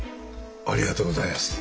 ありがとうございます。